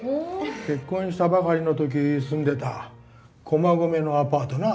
結婚したばかりの時住んでた駒込のアパートな。